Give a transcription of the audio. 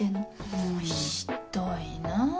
もうひっどいな。